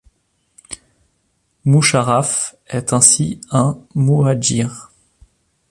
Musharraf est ainsi un muhadjir.